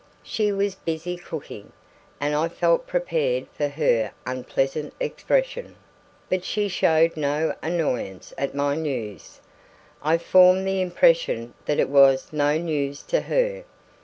She was busy cooking, and I felt prepared for her unpleasant expression; but she showed no annoyance at my news. I formed the impression that it was no news to her.